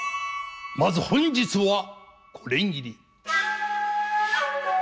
まず本日はこれぎり。